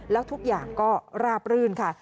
แล้วทุกอย่างก็ราบรื่นค่ะ